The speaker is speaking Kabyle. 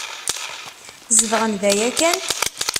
Zedɣen da yakan?